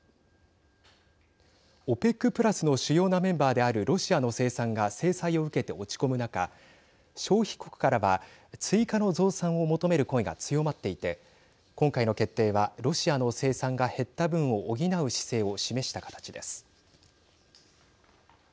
ＯＰＥＣプラスの主要なメンバーであるロシアの生産が制裁を受けて落ち込む中消費国からは追加の増産を求める声が強まっていて今回の決定はロシアの生産が減った分を補う姿勢を示した形です。